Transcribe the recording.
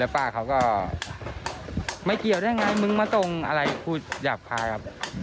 ป้าเขาก็ไม่เกี่ยวได้ไงมึงมาตรงอะไรพูดหยาบคายครับ